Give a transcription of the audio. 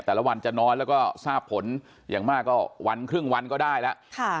วันจะน้อยแล้วก็ทราบผลอย่างมากก็วันครึ่งวันก็ได้แล้ว